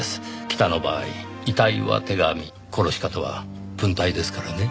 北の場合遺体は手紙殺し方は文体ですからね。